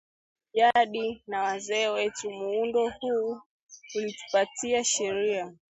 K: ngoma zetu, jadi za wazee wetu Muundo huu ulitupatia sheria:-